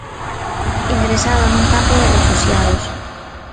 Ingresado nun Campo de refuxiados.